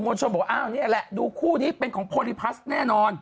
ลชนบอกอ้าวนี่แหละดูคู่นี้เป็นของโพลิพัสแน่นอน